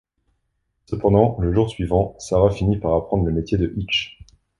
Cependant, le jour suivant, Sara finit par apprendre le métier de Hitch.